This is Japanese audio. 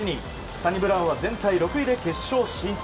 サニブラウンは全体６位で決勝進出。